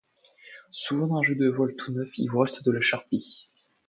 Souvent d’un jeu de voiles tout neuf il vous reste de la charpie.